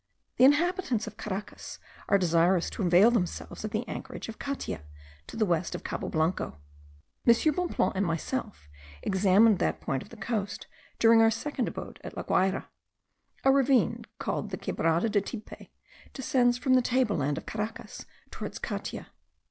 The inhabitants of Caracas are desirous to avail themselves of the anchorage of Catia, to the west of Cabo Blanco. M. Bonpland and myself examined that point of the coast during our second abode at La Guayra. A ravine, called the Quebrada de Tipe, descends from the table land of Caracas towards Catia.